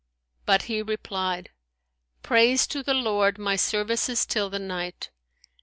But he replied, Praise to the Lord, my service is till the night.'